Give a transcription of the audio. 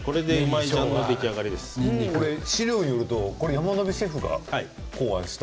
資料によると山野辺シェフが考案した。